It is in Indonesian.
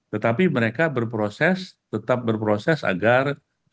tetapi mereka berproses tetap berproses agar